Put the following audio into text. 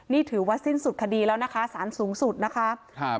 นี่ถือว่าสิ้นสุดคดีแล้วนะคะสารสูงสุดนะคะครับ